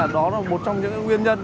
đó là một trong những nguyên nhân